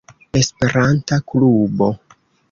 Esperanta klubo.